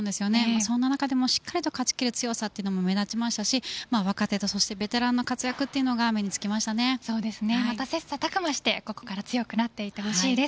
その中でもしっかり勝ちきる強さも目立ちましたし若手とベテランの活躍というのが切磋琢磨してここから強くなっていってほしいです。